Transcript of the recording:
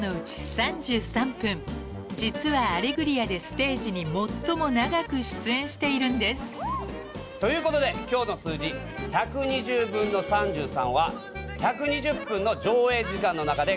［実は『アレグリア』でステージに最も長く出演しているんです］ということで今日の数字１２０分の３３は。